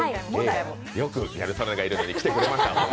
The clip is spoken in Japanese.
よくギャル曽根がいるのに来てくれました。